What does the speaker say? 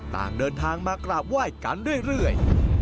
เพื่อทางมากราบไหว้กันเรื่อย